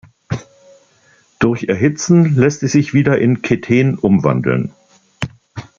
Durch Erhitzen lässt es sich wieder in Keten umwandeln.